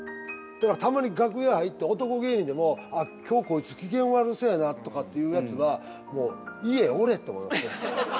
たまに楽屋入って男芸人でもああ今日こいつ機嫌悪そうやなとかっていうやつはもう家おれと思いますね。